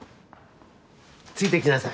ついてきなさい。